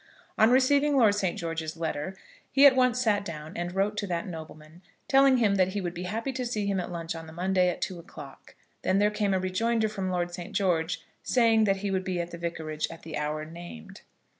On receiving Lord St. George's letter, he at once sat down and wrote to that nobleman, telling him that he would be happy to see him at lunch on the Monday at two o'clock. Then there came a rejoinder from Lord St. George, saying that he would be at the vicarage at the hour named.